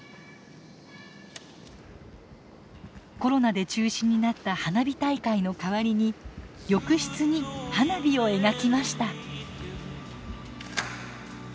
コロナで中止になった花火大会の代わりに浴室に花火を描きました。